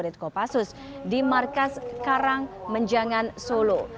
dit kopassus di markas karang menjangan solo